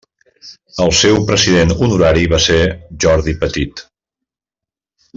El seu president honorari va ser Jordi Petit.